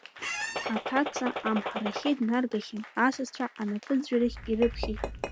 Аҭаца амҳарахьы днаргахьан, асасцәа анапыӡәӡәарахь ирыԥхьеит.